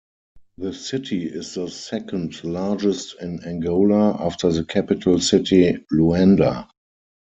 The city is the second largest in Angola, after the capital city, Luanda.